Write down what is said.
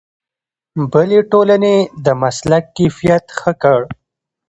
بلې ټولنې د مسلک کیفیت ښه کړ.